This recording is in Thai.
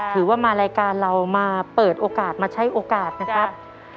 ถือว่ามารายการเรามาเปิดโอกาสมาใช้โอกาสนะครับ